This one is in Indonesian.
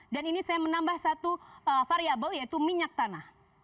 dan ini saya menambah satu variable yaitu minyak tanah